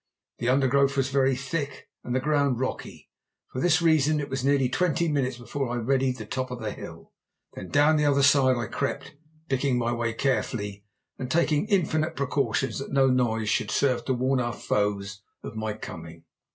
The undergrowth was very thick and the ground rocky; for this reason it was nearly twenty minutes before I readied the top of the hill. Then down the other side I crept, picking my way carefully, and taking infinite precautions that no noise should serve to warn our foes of my coming.